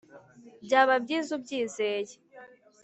byaba byiza ubyizeye